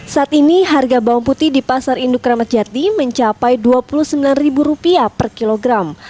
saat ini harga bawang putih di pasar induk ramadjati mencapai rp dua puluh sembilan per kilogram